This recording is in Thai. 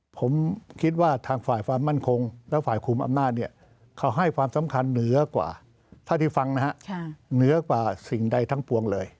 ผมคิดว่าทางฝ่ายความมั่นคงและฝ่ายคุมอำนาจเนี่ยเขาให้ความสำคัญเหนือกว่าเท่าที่ฟังนะฮะเหนือกว่าสิ่งใดทั้งปวงเลย